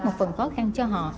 một phần khó khăn cho họ